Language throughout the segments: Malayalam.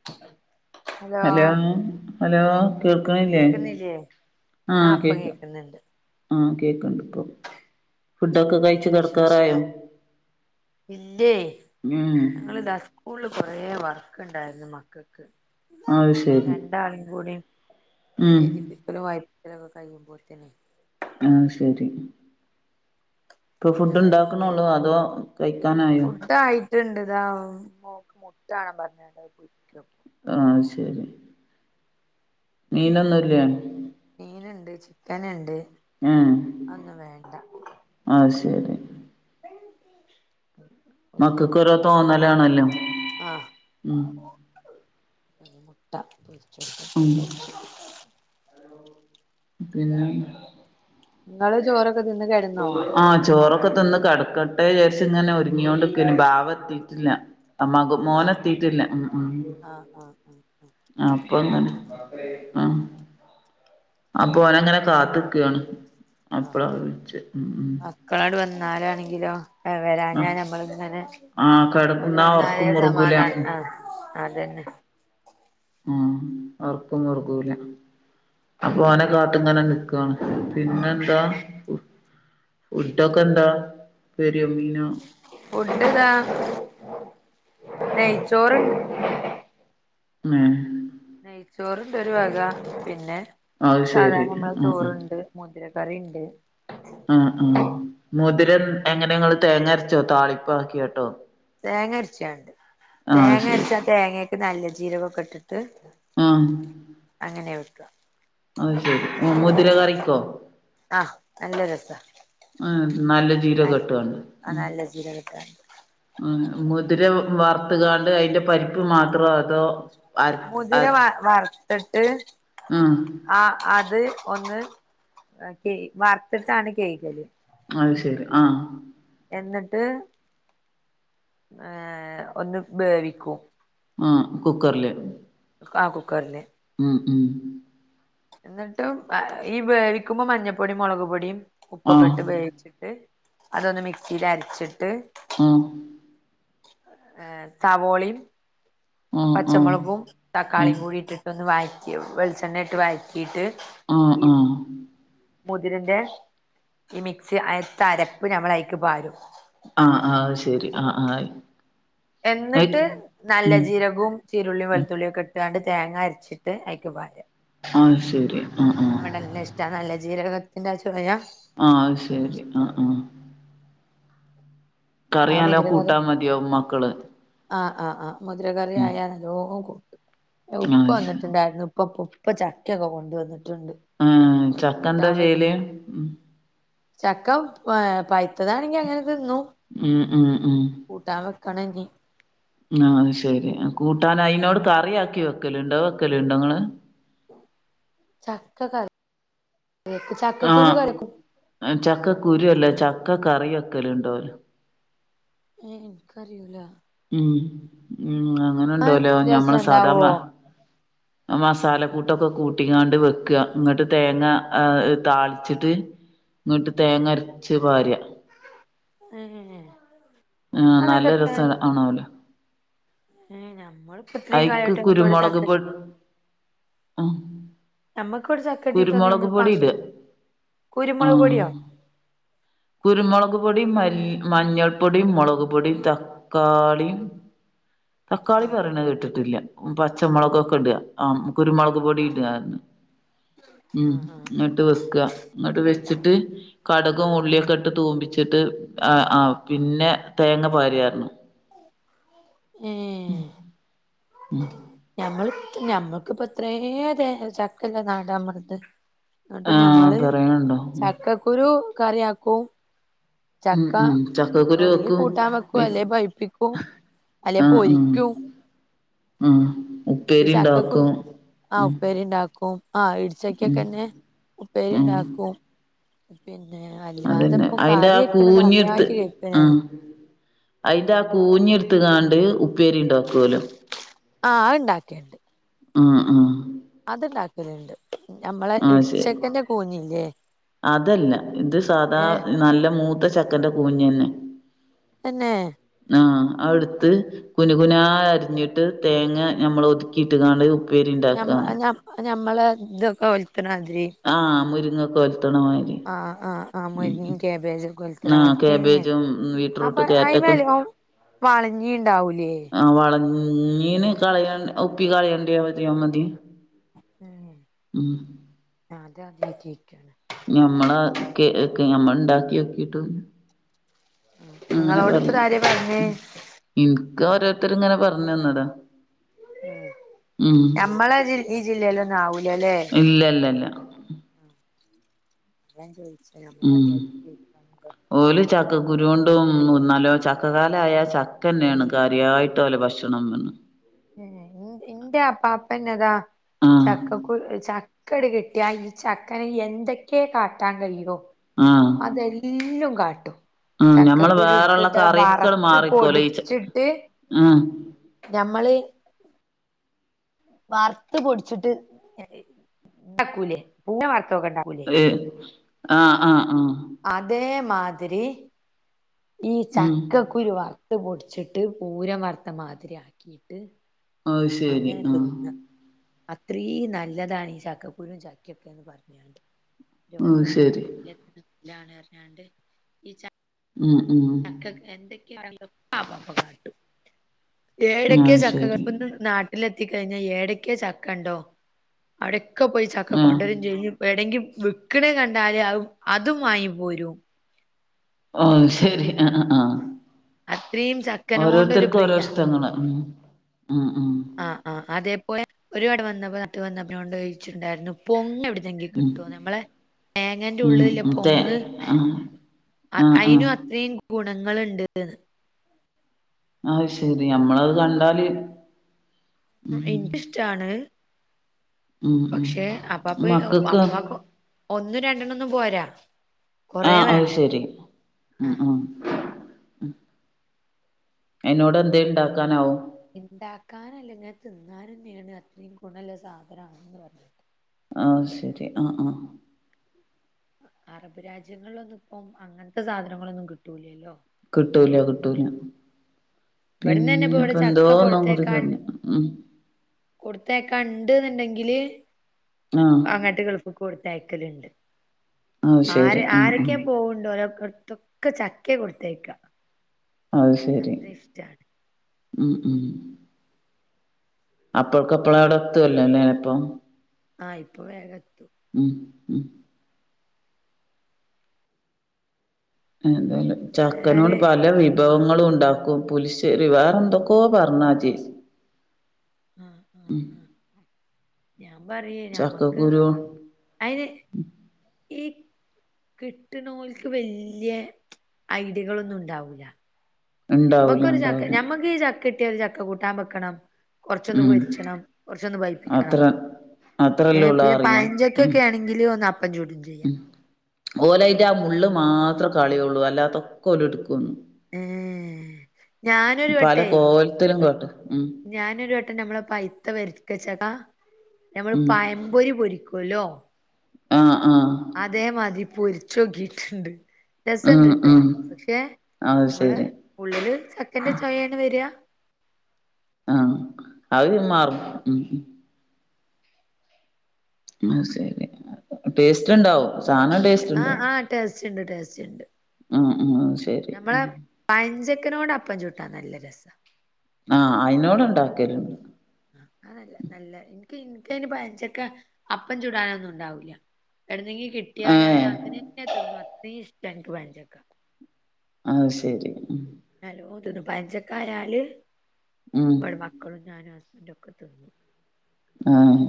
[inaudible] ഹലോ ഹലോ കേൾക്കണില്ലേ കേക്കുന്നില്ലേ ആഹ ആഹ് ഇപ്പ കേക്ക കേക്കുന്നുണ്ട് ആഹ് കേക്ക്ണ്ട് ഇപ്പം ഫുഡൊക്കെ കഴിച്ച് എന്താ കെടക്കാറായോ വിശേഷം ഉം ഇങ്ങളിത സ്കൂളില് കുറേ വർക്ക് ഉണ്ടായിരുന്നു മക്കക്ക് അത്ശെരി ഉം [inaudible] കഴിയുമ്പോത്തന്നെ ആഹ ശരി ഇപ്പൊ ഓലെ ഫുഡ് ബാക്കിലായി ഉണ്ടാക്കണോള്ളു അതോ കഴിക്കാനായോ ഫുഡ് [inaudible] മോക്ക് മുട്ടാണ് പറഞ്ഞണ്ടത് ആഹ് ശരി മീനൊന്നു ഇല്ലേ മീനുണ്ട് ചിക്കൻ ഇണ്ട് ഏഹ് അയ്ശരി [unintelligible] ഓൽക്ക് മക്കൾക്ക് മുട്ട ഓരോ തോന്നലാണല്ലോ ഉം ന്നെ മുട്ട പൊരിച്ചോട്ക്കട്ടേ ഉം പിന്നെ നിങ്ങള് ചോറൊക്കെ തിന്ന് കിടന്നോ ആഹ് ചോറൊക്കെ തിന്ന് കെട ക്കട്ടേന്ന് വിചാരിച്ച ഇങ്ങനെ ഒരുങ്ങിയോണ്ട്ക്കേനി ബാവ എത്തീട്ടില്ല അമ്മാക്ക് ആ മോനെത്തിട്ടില്ല ഉം ഉം ആ ആ ആ ആ ആഹ് അപ്പൊ അങ്ങനെ ആഹ് അപ്പൊ ഓനങ്ങനെ കാത്ത്ക്കാണ് അപ്പളാ വിൾച്ചേ ഉം ഉം മക്കളട് വന്നാലാണെങ്കിലോ ആ വരാഞ്ഞാ ഞമ്മൾ ഇങ്ങനെ ആ ഓര് കെടന്നാ വന്നാലേ ഒറക്കം മുറുകൂല സമാധാനം ആഹ് അതന്നെ ആഹ് ഒർക്കം ഒറഗൂല അപ്പൊ ഓനെ കാത്ത്ങ്ങനെ നിക്കും ആണ് പിന്നെന്താ ആഹ് ഫുഡൊക്കെ എന്താ പെരിയ ഫുഡ്താ നെയ്ച്ചോർ ഉം നെയ്ച്ചോറ്ണ്ടൊരു വക പിന്നെ അത് ശരി സാധാരണ നമ്മളെ ആ ചോർണ്ട് മുദിരക്കറിണ്ട് ആഹ് ആഹ് മുതിര എങ്ങനെങ്ങള് തേങ്ങ അരച്ചോ താളിപ്പാക്കിയാട്ടോ തേങ്ങ അരച്ചാട്ട് ആ അത് തേങ്ങ ശരി അരച്ചാ തേങ്ങേക്ക് നല്ല ജീരകൊക്കെ ഇട്ടിട്ട് ആഹ് അങ്ങനെയ വെക്കാ അയ്ശെരി ആഹ് മുതിര കറിക്കോ ആഹ് നല്ല രസാ ആഹ് നല്ല നൽ ജീരകട്ടാണ്ട് ആഹ് ഉം നല്ല ജീരകട്ടാണ്ട് ഉം മുതിര വാർത്ത്കാണ്ട് അയിന്റെ പരിപ്പ് മാത്രോ അതോ അര മുതിര വ വർത്തിട്ട് ഉം ആഹ് അത് ഒന്ന് കേ വർത്തിട്ടാണ് കെയ്കല് അത് ശരി ആഹ് എന്നിട്ട് ഏഹ് ഒന്ന് വേവിക്കും ആഹ് കുക്കർല് കാ കുക്കർല് ഉം ഉം എന്നിട്ടും ഈ വേവിക്കുമ്പോ മഞ്ഞൾപ്പൊടിയും മൊളക് പൊടിയും ഉപ്പൊക്കെ ആഹ് ഇട്ട് വേവിച്ചിട്ട് അതൊന്ന് മിക്സിൽ അരച്ചിട്ട് ആഹ് ഏഹ് സവോളീം ആഹ് ആഹ് പച്ചമൊളകും ആഹ് തക്കാളീം കൂടി ഇട്ടിട്ട് ഒന്ന് വയറ്റി വെളിച്ചെണ്ണ ഇട്ട് വഴറ്റിയിട്ട് ആഹ് ഈ ആഹ് മുതിരന്റെ ഈ മിക്സി അയ്ത്തെ അരപ്പ് ഞമ്മളൈക്ക് പാരും ആഹ് ആഹ് ശെരി ആഹ് ആഹ് അയ് എന്നിട്ട് നല്ല ഉം ജീരകും ചീരുള്ളിം ഉം വെളുത്തുള്ളിം ഒക്കെ ഇട്ടാണ്ട് തേങ്ങ അരച്ചിട്ട് അയ്ക്കപാരാ ആയ്ശെരി ആഹ് ആഹ് അവിടെന്നെ ഇഷ്ടാ നല്ല ജീരകത്തിന്റെ ചൊവയ ആഹ് അയ്ശരി ആഹ് ആഹ് ആ കറിനല്ലോ മുതിരകറി കൂട്ടാൻ മതിയാവും മക്കള് ആഹ് ആഹ് ആഹ് മുതിര കറി ഉം ആയാ നല്ലോ കൂട്ടും ഉപ്പ അത് ശരി വന്നിട്ടുണ്ടായിരുന്നു ഉപ്പപ്പ- ഇപ്പ ചക്കൊക്കെ കൊണ്ടുവന്നിട്ടുണ്ട് ഉം ചക്ക എന്താ കൂട്ടാൻ ചെയ്യല് വെക്ക ചക്ക ഏ പൈത്തതാണെങ്കി അങ്ങനെ തിന്നും ഉം ഉം ഉം കൂട്ടാവെക്കണം ഞ് ആഹാ അത് ശെരി കൂട്ടാൻ അയിനോട് കറിയാക്കി വെക്കല ഉണ്ടോ വെക്കല ഉണ്ടോ നിങ്ങള് ചക്ക ക ചക്കക്കുരു കരക്കും ചക്കക്കുരു അല്ല ചക്ക കറി വെക്കെല്ണ്ട്ലോ ഏ ഇൻക്ക്റിയൂല ഉം ഉം അങ്ങനെ അത് ഉണ്ടലോ ഞമ്മള് രസണ്ടാവോ സാദാമ്മ മസാലക്കൂട്ടൊക്കെ കൂട്ട്യാണ്ട് വെക്ക ന്നിട്ട് തേങ്ങ ഏ താളിച്ചിട്ട് ന്നിട്ട് തേങ്ങ അരച്ച് പാര്യ അങ്ങനെ ആ നല്ല രസം ആണാല്ലോ ഏ ഞമ്മള് ഇപ്പോ ഇത്രയും അയിക്ക് കാലയിട്ട് നമക്ക് ഇവിടെ കുരുമുളക് ചക്ക പൊ ആഹ് നമ്മക്ക് ഇവിടെ ചക്കട്ടിട്ട് ന്ന് കുരുമുളക് നമ്മള് പ പൊടി ഇടാ കുരുമുളക് പൊടിയോ? ആഹ് കുരുമുളക് പൊടി മ മഞ്ഞൾ പൊടിയും മുളക് പൊടിയും ത തക്കാളീം തക്കാളി ആഹ് പറയണ കേട്ടിട്ടില്ല പച്ചമുളകൊക്കെ ഇടുക ആ കുരുമുളക് പൊടി ആഹ് ഇടുകായിന്ന് ഉം ആഹ് ആഹ് ഇങ്ങട്ട് വെക്കാ ഇങ്ങട്ട് വെച്ചിട്ട് കടകും ഉള്ളിയൊക്കെ ഇട്ട് തൂമിച്ചിട്ട് ആ ആ് പിന്നെ തേങ്ങ പാര്യാരുന്നു ഏഹ് ഉം ഉം ഞമ്മൾ ഞമ്മൾക്കിപ്പ ഇത്രയ ചക്കല്ല നാടാമ്മളത് ന്നിട്ട് ആ ഞമ്മള് പറയണുണ്ടോ ചക്കക്കുരു കറിയാക്കും ഉം ചക്ക ഉം ചക്കക്കുരു ഒന്നെങ്കി വെക്കും കൂട്ടാൻ വെക്കൂ വി അല്ലെ പഴ്പ്പിക്കൂ അല്ലെ ആ ആ പൊരിക്കും ഉം ഈ ഉപ്പേരി ചക്കക്ക ഉണ്ടാക്കും ആ ഉപ്പേരി ഉണ്ടാക്കും ആഹാ ഉച്ചക്കൊക്കെ ഉം തന്നെ ഉം ഉപ്പേരിണ്ടാക്കും പിന്നെ അല്ലാതെ അതന്നെ ഇപ്പോ അയിന്റെ കറി ആ വെക്കണത് കൂഞ്ഞിട്ത്ത് ആദ്യയിട്ട് കേൾക്ക ഞാന് ആഹ് അയിന്റെ ആ കൂഞ്ഞി എടുത്ത്കാണ്ട് ഉപ്പേരി ഉണ്ടാക്കുവല്ലോ ആഹ് അത് ഇണ്ടാക്കേണ്ട് ഉം ഉം അത്ണ്ടാക്കലണ്ട് നമ്മളെ ആഹ് ശരി ഇടിച്ചക്കന്റെ കൂഞ്ഞില്ലേ അതല്ല ഇത് സാദാ ഏഹ് നല്ല മൂത്ത ചക്കന്റെ കൂഞ്ഞന്നെ തന്നെ ആഹ് അത്ടുത്ത് കുന കുന അരിഞ്ഞിട്ട് തേങ്ങ ഞമ്മൾ ഒതുക്കിയിട്ട് കാണ മ്മ ഞമ്മള് ഇതൊക്കെ ഒലുത്തണതിരി ആഹ് മുരിങ്ങൊക്കെ ഒലത്തണ മാതിരി ആഹാ ആഹ് ആ ഉം മരിങ്ങ ഉം കേബജകൊ ആഹ് [unintelligible] കാബേജും അപ്പ ബീറ്റ്റൂട്ട് ക്യാരറ്റൊക്കെ അയ്മല വളഞ്ഞി ഇണ്ടാവൂലേ മീന് കാള ഉപ്പി കാളയണ്ടവതിയാ മതി ഉം ഉം അത് അദ്യട്ട് കേക്കാണ് ഞമ്മള ഞമ്മള് ഉണ്ടാക്കി നോക്കിട്ട് അങ്ങനെ നിങ്ങളോട് ഇപ്പ പറഞ്ഞു ഇതാരാ പറഞ്ഞേ ഇൻക്ക് ഓരോരുത്തര് ഇങ്ങനെ പറഞ്ഞ തന്നതാ ഉം ഞമ്മളെ ജ ഈ ജില്ലയിലൊന്നും ആവൂലല്ലേ ഇല്ല ഇല്ല ഇല്ല അതാ ഞാൻ ചോയിച്ചേ നമ്മള് അദ്യാട്ട് കേക്കാണല്ലോ ഓല ചക്ക കുരുണ്ടുംന്നല്ലോ ചക്കകാലായ ചക്കന്നെയാണ് കാര്യമായിട്ട ഓലെ ഭക്ഷ [unintelligible] ഹെ എന്റെ അപ്പാപ്പന്നതാ ആഹ് ചക്ക ക്ക് ചക്കട് കിട്ടിയ ഈ ചക്കന എന്തൊക്കെയ കാട്ടാൻ കഴിയോ ആഹ് അതെല്ലാം കാട്ടും ഉം ഞമ്മള് ചക്കക്കുരു വേറെള്ള എടുത്തിട്ട് അവ് വറുത്ത് പൊടിച്ചിട്ട് ഉം ഞമ്മള് വാർത്ത പൊടിച്ചിട്ട് ഉണ്ടാക്കൂലേ പുന്നെ വാർത്തൊക്കെ ഉണ്ടാക്കൂല ഹ് ആഹ ആഹ് ആഹ അതേമാതിരി ഈ ഉം ചക്കക്കരു വറുത്ത് പൊടിച്ചിട്ട് പൂരം വറുത്ത മാതിരി ആക്കിയിട്ട് അ ശരി അങ്ങനെ ആഹ തിന്ന അത്രീ നല്ലതാണ് ഈ ചക്കക്കുരും ചക്കയൊക്കെന്ന് പറഞ്ഞണ്ട് അത് രോഗങ്ങൾ ശരി കൊല്ലാണ് ഇറഞ്ഞാണ്ട് ഈച്ച ഉ ഉം എന്തൊക്കെ യാലും [unintelligible] ഏടൊക്കെ അത് ചക്കകൾ ശരി അപ്പ ഇന്ന് വിട്ടില എത്തിക്കഴിഞ്ഞാൽ ഏടക്ക ചക്ക ഉണ്ടോ അവിടെയൊക്കെ പോയി ചക്ക ആഹ് കൊണ്ടുവരയും ചെയ്യും എടെങ്കിൽ വിക്ക്ണേ കണ്ടാല് അതും വാങ്ങിപ്പോരും ഓ ശരി ആഹ ആഹ അത്രയും ചക്കനോണ്ടൊരു ഓരോരുത്തർക്കും ഓരോ പ്രിയ പുതകങ്ങൾ ഉ ഉ ഉ ആ് ആ അതേപോലെ ഒരു ഇവിടെ വന്നപ്പോ നത്ത് വന്നപ്പോണ്ട് കഴിച്ചിണ്ടായിരുന്നു പൊങ് എവിടുന്നെങ്കും ഉം കിട്ടുവോ നമ്മളെ തേങ്ങേന്റെ ഉം ഉള്ളില്ല ഉം തേ പൊങ്ങ് ആഹ് ആഹ് ആഹ് അയിഅത്രയും ഗുണങ്ങണ്ട്ന്ന് അ ശെരി നമ്മളത് കണ്ടാല് ഉം ഇൻസ്ടാണ് ഉം ഉം പക്ഷെ അപ്പാപ്പ മക്കക്ക് അപ്പക്ക് ഒന്നും രണ്ടെണ്ണം ഒന്നും പോരാ കൊറേ ആഹ അത് വേണം ശരി ഉ ആഹ് ഉ ആയിനോട് എന്ത ഉണ്ടാക്കാനാവോ ഉണ്ടാക്കാന അല്ലെങ്കെ തിന്നൻ തന്നെയാണ് അത്രയും ഗുണല്ല സാധന ആണെന്ന് പറഞ്ഞത് ആ ശരി ആഹ ആഹ അറബ് രാജ്യങ്ങളിലൊന്നും ഇപ്പം അങ്ങനത്തെ സാധനങ്ങളൊന്നും കിട്ടൂലല്ലോ കിട്ടൂല കിട്ടൂല ഇവിടന്നന്നെ ഇപ്പ ഇവിടെ പിന്നെപ്പ എന്തോ ചക്ക ഒന്നൻ കൂടി തഞ്ഞ ഉ കൊടുത്തേക്കാണ്ഉണ്ട് എന്നുണ്ടെങ്കില് ആഹ അങ്ങാട്ടുഗെഫിക് കൊടുത്തയക്കലുണ്ട് അത് ആര് ശരി ആഹ് ആഹ് ആരൊക്കെയ പോകണ്ട ഓലോ ഇതൊക്കെ ചക്ക കൊടുത്തേക്ക അത് ശരി ഉ ഉ അപ്പൾക്കപ്പള അവിടെ എത്തുവല്ലോല്ല ഇപ്പം ആഹ് ഇപ്പൊ വേഗത്തു ഉം ഉം ഏതായാലും ചക്കനോട് ഏതായാലുവേ പല വീ വിഭവങ്ങളും ഉണ്ടാക്കും പുലിഷ ഒരു വേറെ എന്തൊക്കോ പറഞ്ഞാജേ ആഹ് ആഹ് ഉ ആഹ് ഞാൻ പറയേ ഞമ്മക്ക് ചക്കക്കുരു അയിന് ഇ കിട്ടുന്നോൽക്ക് വല്യ ഐഡിയകളൊന്നും ഉണ്ടാവൂല്ല ഉണ്ടാവൂല ഞമ്മക്കൊരു ച ഉണ്ടാവൂല ഞമ്മക്ക് ഈ ചക്ക കട്ടിയ ഒരു ചക്ക കൂട്ടാൻ വെക്കണം കുറച്ചൊന്ന് ഉം പൊച്ചണം കുറച്ചൊന്ന് ഭയിപ്പിക്കണം അത്ര ഏ അത്രല്ലേ ഉള്ളൂ പിന്നെ അറിയാം ഉം പഞ്ചക്കൊക്കെ ആണെങ്കിൽ ഒന്ന് അപ്പൻ ചൂടും ചെയ്യാം ഓലായിന്റെ ആ മുള്ള് മാത്രേ കളിയള്ളൂ അല്ലാത്തൊക്കെ ഓലെടുക്കുന്നു ഉം പല കോവലത്തിലും കേട്ട് ഉ ഞാനൊരു വട്ടം നമ്മളെ പൈത്ത വരക്കച്ചക്ക നമ്മൾ ഉം പയം ബോരി ബോരിക്കുല്ലോ ആഹ് ആഹ് അതേ മതി പൊരിച്ചൊക്കിട്ടുണ്ട് രസണ്ട് ഉം ട്ടോ ഉം പക്ഷെ അത് നമ്മള ശരി ഉള്ളില് ചക്കന്റെ ചൊയയാണ് വരിക ആഹ് അവര് മാറും ഉം അത്‌ശരി ടേസ്റ്റ് ഉണ്ടാവും. സാനം ആഹ ആ് ടേസ്റ്റ് ഉണ്ട് ടേസ്റ്റ് ഉണ്ട് ആഹ് ആഹ് ശരി ഉം പഞ്ചക്കനോട് അപ്പം ചൂട്ടാ നല്ല രസാ ആഹ് അതിനോട് ഉണ്ടാക്കരും അതല്ല നല്ല എനിക്ക് എനിക്കന് പഴച്ചക്ക അപ്പം ചൂടാനൊന്നും ഉണ്ടാവൂല്ല. എവിടുന്നെങ്കി ഏ കിട്ടിയാൽ അത് അങ്ങനെ തന്നെ തിന്നും അത്രേം ഇഷ്ടാ എനിക്ക് പഴംചക്ക അത് ശരി ഉം നലോ തിന്നു പഞ്ചക്കായാല് ഉം ഇബടെ മക്കളും ഞാനും ഹസ്ബൻറും ഒക്കെ തിന്നു ആഹ്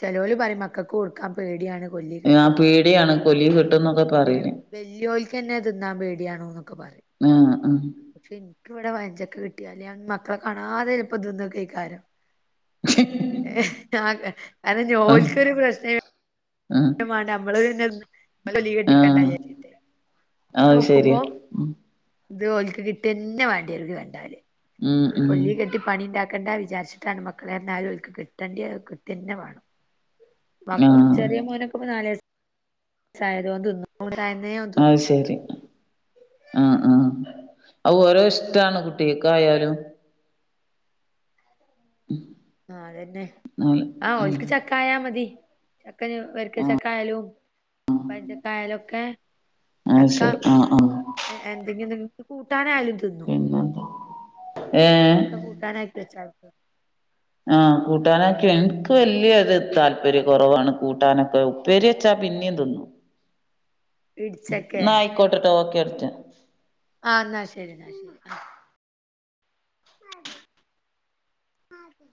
ചെിലോല് പറയും മക്കൾക്ക് കൊടുക്കാൻ പേടിയാണ് കൊല്ലി കെട്ടും അങ്ങനെ ടിയാണ് കൊലി കിട്ടുന്നൊക്കെ പ പിന്നെ വെല്ല്യോൽക്കന്നെ തിന്നാൻ പേടിയാണോ എന്നൊക്കെ പറയും. ആഹ് ആഹ് പക്ഷെ എനിക്കിവിടെ പഴംചക്ക കിട്ടിയാല് ഞാൻ മക്കളെ കാണാതെ ചിലപ്പോ തിന്നോകേക്കാരം അതെ അതനെ ആ ഓൽക്കൊരു പ്രശ്നേ ആ മാണ്ട നമ്മള് പിന്നെ പൊലി ആ കെട്ടിക്കണ്ടാ വിചാരിച്ചിട്ടേ അത് ശെരിയാ ഉം ഇത് ഓൽക്ക് കിട്ടിയന്നെ വേണ്ടി വരും ഇത് കണ്ടാല്. ഉം അവര് ഉം കൊല്ലി കെട്ടി പണി ഇണ്ടാക്കണ്ടാ വിചാരിച്ചിട്ടാണ് മക്കളെന്നെ ആയാലും ഓൽക്ക് കിട്ടണ്ടിയെ കിട്ടന്നെ വേണം ആ പ്പാക്കം ചെറിയ മോനൊക്കെപ്പൊ നാല് വയസ്സ് ആയേരേ ഓൻ തിന്നും. ഓൻ തനിയെ അഹ് ശരി ആഹ് ആഹ് അത് ഓരോ ഇഷ്ടാണ് കുട്ടിക്കൊക്കെ ആയാലും ഉം ആ അതന്നെ ആഹ ഒക്ക് ചക്കായാ മതി ചക്കന് വരക്ക് ആ ചക്ക ആയാലും. പഴഞ്ചക്കായാലൊക്കെ അത് ചക്ക ശരി ആ ആ എ എന്തെങ്കിലും കു കൂട്ടാനായാലും തിന്നു പിന്നെന്താ ഏ ചക്ക കൂട്ടാനായിട്ട് വെച്ചാലും തിന്നും ആ കൂട്ടാനൊക്കെ എനിക്ക് വല്യത് താല്പര്യം കുറവാണ് കൂട്ടാനൊക്കെ ഉപ്പേരിവെച്ചാ പിന്നേം തിന്നും ഇട്ച്ചക്കെ റിപ്പോട്ടൊട്ത്ത് ഓക്കെ അടിച്ച ആഹ് എന്നാ ശരി എന്നാ ശരി ആഹ് അതെ... അതെ